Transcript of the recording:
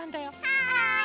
はい！